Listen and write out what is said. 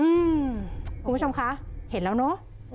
คุณผู้ชมคะเห็นแล้วเนอะ